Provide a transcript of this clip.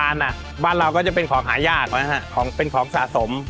อ่ะบ้านเราก็จะเป็นของหายากนะฮะของเป็นของสะสม